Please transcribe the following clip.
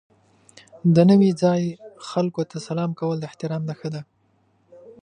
د نوي ځای خلکو ته سلام کول د احترام نښه ده.